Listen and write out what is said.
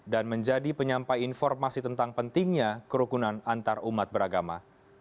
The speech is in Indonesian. dan menjadi penyampaian informasi tentang pentingnya kerukunan antarumat beragama